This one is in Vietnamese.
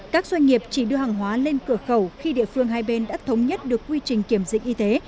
các doanh nghiệp chỉ đưa hàng hóa lên cửa khẩu khi địa phương hai bên đã thống nhất được quy trình kiểm dịch y tế